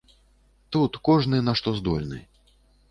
Тут кожны на што здольны.